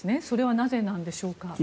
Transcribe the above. それはなぜなんでしょうか。